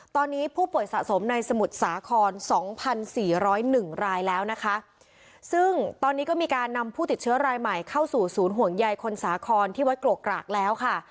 ตอนนี้ผู้ป่วยสะสมในสมุทรสาครสองพันสี่ร้อยหนึ่งรายแล้วนะคะซึ่งตอนนี้ก็มีการนำผู้ติดเชื้อรายใหม่เข้าสู่ศูนย์ห่วงใยคนสาครที่วัดกรกกรากแล้วค่ะ